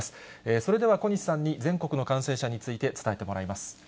それでは小西さんに全国の感染者について伝えてもらいます。